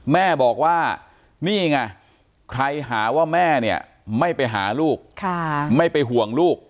แม่บอกว่านี่ไงใครหาว่าแม่เนี่ยไม่ไปหาลูกไม่ไปห่วงลูก